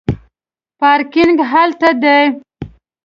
پارکینګ هلته دی